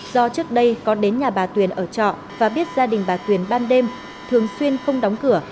là bà tuyền ở trọ và biết gia đình bà tuyền ban đêm thường xuyên không đóng cửa